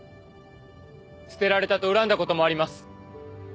捨てられたと恨んだ事もあります。